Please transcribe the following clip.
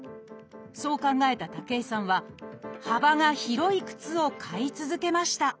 そう考えた武井さんは幅が広い靴を買い続けました。